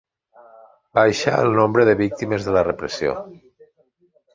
Baixa el nombre de víctimes de la repressió